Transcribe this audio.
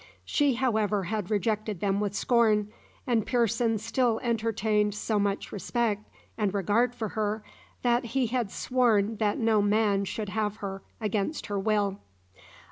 She, however, had rejected them with scorn, and Pearson still entertained so much respect and regard for her, that he had sworn that no man should have her against her will.